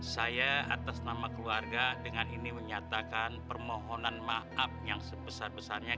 saya atas nama keluarga dengan ini menyatakan permohonan maaf yang sebesar besarnya